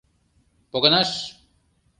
Погынаш!..